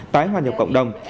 tái hoạt nhập cộng đồng